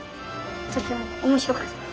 とても面白かった。